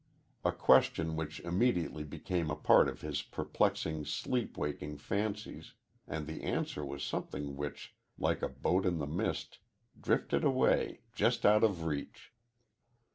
a question which immediately became a part of his perplexing sleep waking fancies, and the answer was something which, like a boat in the mist, drifted away, just out of reach.